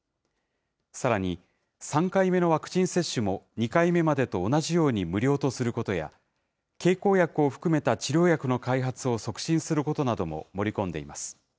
さらに３回目のワクチン接種も２回目までと同じように無料とすることや、経口薬を含めた治療薬の開発を促進することなども盛り込んでいます。